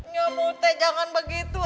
nyomot deh jangan begitu